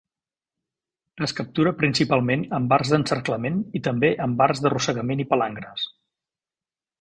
Es captura principalment amb arts d'encerclament i també amb arts d'arrossegament i palangres.